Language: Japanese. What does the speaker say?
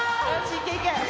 いけいけ！